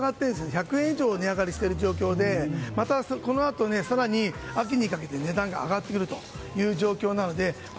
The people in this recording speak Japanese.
１００円以上値上がりしている状況でまた、このあと更に秋にかけて値段が上がってくる状況です。